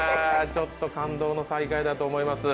ちょっと感動の再会だと思います。